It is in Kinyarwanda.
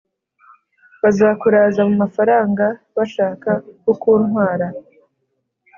Bazakuraza mumafaranga bashaka kukuntwara